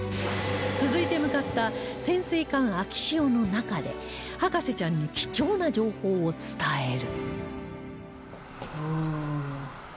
続いて向かった潜水艦「あきしお」の中で博士ちゃんに貴重な情報を伝える